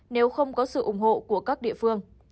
nếu không có sự ủng hộ của các địa phương